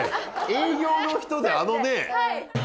営業の人であのね。